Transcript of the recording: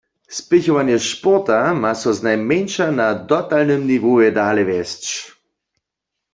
Spěchowanje sporta ma so znajmjeńša na dotalnym niwowje dale wjesć.